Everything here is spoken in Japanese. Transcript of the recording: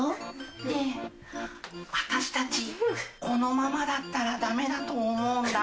ねぇ私たちこのままだったらダメだと思うんだ。